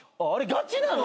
ガチなの！？